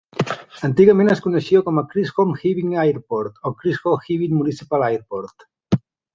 Antigament es coneixia com a Chisholm-Hibbing Airport o Chisholm-Hibbing Municipal Airport.